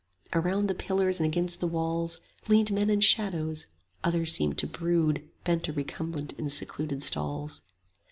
Around the pillars and against the walls Leaned men and shadows; others seemed to brood Bent or recumbent in secluded stalls.